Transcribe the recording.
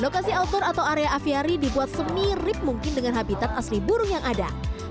lokasi outdoor atau area aviari dibuat semirip mungkin dengan habitat asli burung yang ada